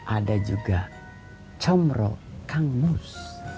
ada juga combro kang mus